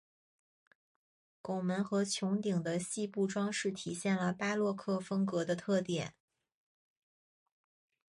拱门和穹顶的细部装饰体现了巴洛克风格的特点。